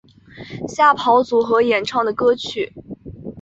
吓跑组合演唱的歌曲。